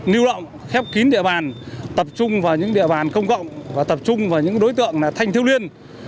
nưu động khép kín địa bàn tập trung vào những địa bàn công cộng và tập trung vào những đối tượng thanh thiêu liên